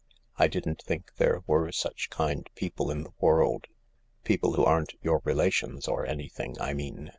" I didn't think there were such kind people in the world— people who aren't your relations or anything, I mean.